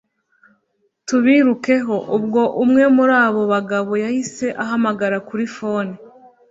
tubirukeho! ubwo umwe murabo bagabo yahise ahamagara kuri phone